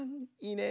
いいね。